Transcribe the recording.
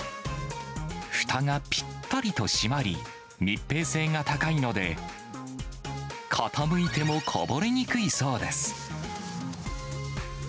ふたがぴったりと閉まり、密閉性が高いので、傾いてもこぼれにくいそうです。